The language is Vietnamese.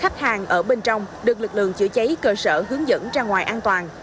khách hàng ở bên trong được lực lượng chữa cháy cơ sở hướng dẫn ra ngoài an toàn